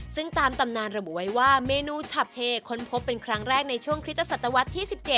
ซึ่งตามตำนานระบุไว้ว่าเมนูฉับเชค้นพบเป็นครั้งแรกในช่วงคริสตศตวรรษที่๑๗